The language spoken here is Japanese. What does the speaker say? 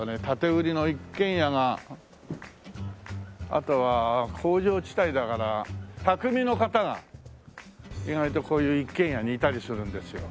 あとは工場地帯だから匠の方が意外とこういう一軒家にいたりするんですよ。